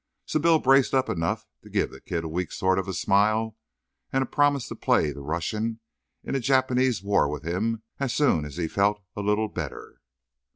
So Bill braced up enough to give the kid a weak sort of a smile and a promise to play the Russian in a Japanese war with him is soon as he felt a little better.